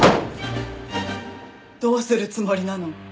どうするつもりなの？